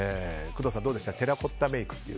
工藤さん、どうですかテラコッタメイク。